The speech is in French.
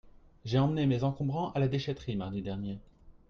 J'ai emmené mes encombrants à la déchèterie mardi dernier.